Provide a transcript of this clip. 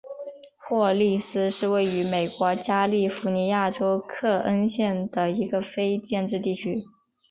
霍利斯是位于美国加利福尼亚州克恩县的一个非建制地区。